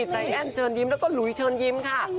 ใจแอ้นเชิญยิ้มแล้วก็หลุยเชิญยิ้มค่ะ